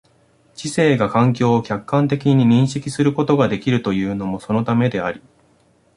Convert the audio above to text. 知性が環境を客観的に認識することができるというのもそのためであり、